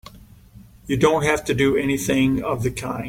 You don't have to do anything of the kind!